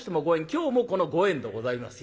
今日もこのご縁でございますよ。